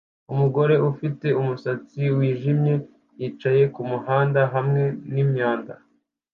Umugore ufite umusatsi wijimye yicaye kumuhanda hamwe nimyanda